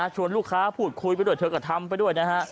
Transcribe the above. ลูกค้าพูดคุยไปด้วยเธอก็ทำไปด้วยนะฮะ